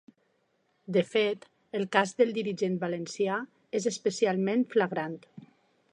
De fet, el cas del dirigent valencià, és especialment flagrant.